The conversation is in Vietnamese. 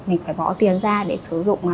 mình phải bỏ tiền ra để sử dụng